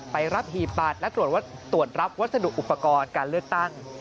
ไปรับหีบบัตรและตรวจรับวัสดุอุปกรณ์การเลือกตั้ง